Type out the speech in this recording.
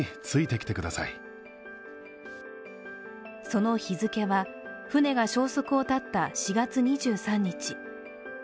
その日付は、船が消息を絶った４月２３日。